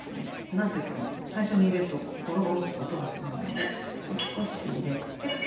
何と言っても最初に入れるとゴロゴロッと音がすごいので少し入れて。